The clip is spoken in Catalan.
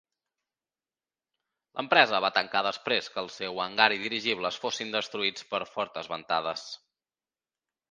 L'empresa va tancar després que el seu hangar i dirigibles fossin destruïts per fortes ventades.